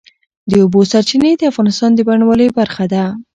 د اوبو سرچینې د افغانستان د بڼوالۍ برخه ده.